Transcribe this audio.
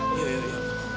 yuk yuk yuk